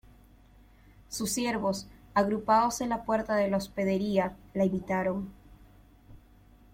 sus siervos, agrupados en la puerta de la hospedería , la imitaron ,